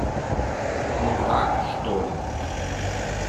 Ну, так, что ли?